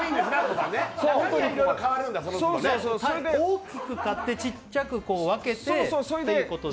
大きく買ってちっちゃく分けてってことですね。